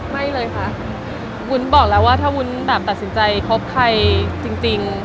ไม่เลยค่ะวุ้นบอกแล้วว่าถ้าวุ้นแบบตัดสินใจคบใครจริง